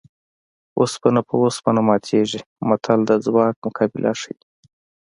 اوسپنه په اوسپنه ماتېږي متل د ځواک مقابله ښيي